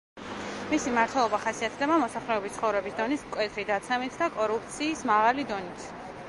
მისი მმართველობა ხასიათდება მოსახლეობის ცხოვრების დონის მკვეთრი დაცემით და კორუფციის მაღალი დონით.